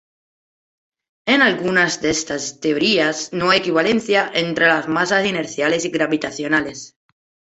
En algunas de estas teorías, no hay equivalencia entre las masas inerciales y gravitacionales.